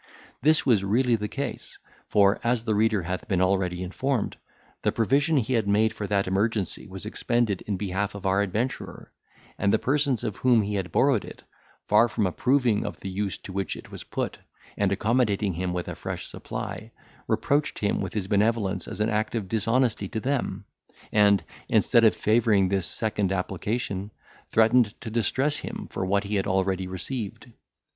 This was really the case; for, as the reader hath been already informed, the provision he had made for that emergency was expended in behalf of our adventurer; and the persons of whom he had borrowed it, far from approving of the use to which it was put, and accommodating him with a fresh supply, reproached him with his benevolence as an act of dishonesty to them; and, instead of favouring this second application, threatened to distress him for what he had already received.